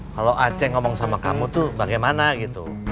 kalau aceh ngomong sama kamu tuh bagaimana gitu